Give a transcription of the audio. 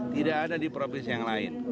tidak ada di provinsi yang lain